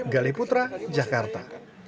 gali putra jakarta